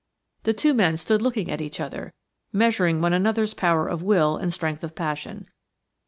The two men stood looking at each other, measuring one another's power of will and strength of passion.